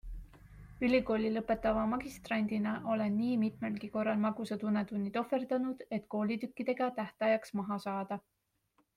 Ülikooli lõpetava magistrandina olen nii mitmelgi korral magusad unetunnid ohverdanud, et koolitükkidega tähtajaks maha saada.